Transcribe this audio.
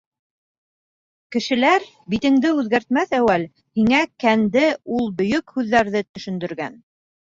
Кешеләр битеңде үҙгәртмәҫ әүәл һиңә кәнде ул Бөйөк һүҙҙәрҙе төшөндөргән.